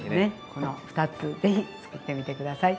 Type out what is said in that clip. この２つ是非つくってみて下さい。